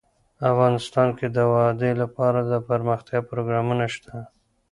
افغانستان کې د وادي لپاره دپرمختیا پروګرامونه شته.